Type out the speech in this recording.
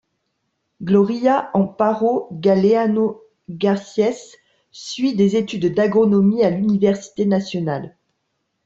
Gloria Amparo Galeano Garcés suit des études d'agronomie à l'Université Nationale.